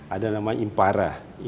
ada namanya impara